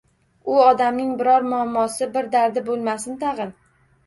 U odamning biror muammosi, bir dardi bo`lmasin tag`in